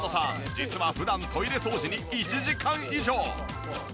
実は普段トイレ掃除に１時間以上。